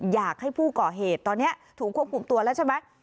อยากให้ผู้ก่อเหตุตอนนี้ถูกควบคุมตัวแล้วใช่ไหม